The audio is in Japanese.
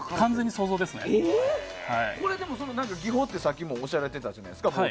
冒頭に、技法ってさっきもおっしゃられてたじゃないですか。